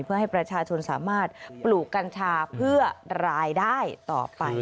เพื่อให้ประชาชนสามารถปลูกกัญชาเพื่อรายได้ต่อไป